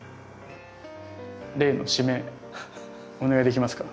例の締めお願いできますか。